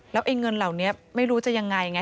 แล้วไอ้เงินเหล่านี้ไม่รู้จะยังไงไง